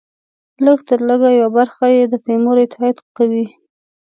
لږترلږه یوه برخه یې د تیمور اطاعت کوي.